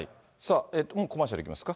もうコマーシャルいきますか。